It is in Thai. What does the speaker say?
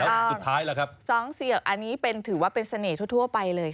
แล้วสุดท้ายล่ะครับ๒๔๖อันนี้ถือว่าเป็นเสน่ห์ทั่วไปเลย